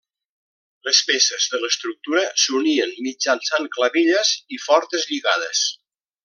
Les peces de l'estructura s'unien mitjançant clavilles i fortes lligades.